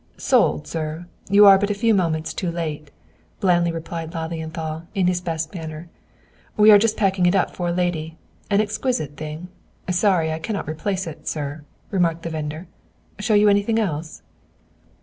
"Sold, sir; you are but a few moments too late," blandly replied Lilienthal, in his best manner. "We are just packing it up for a lady. An exquisite thing; sorry I cannot replace it, sir," remarked the vendor, "Show you anything else?"